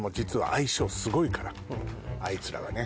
あいつらはね